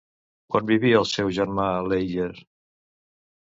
On vivia el seu germà Leiger?